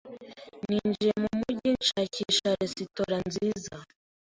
Ninjiye mu mujyi nshakisha resitora nziza.